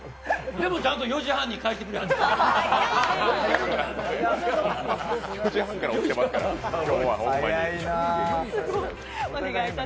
でもちゃんと４時半に返してくれはった。